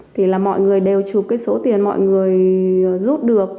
thì là mọi người đều chụp cái số tiền mọi người rút được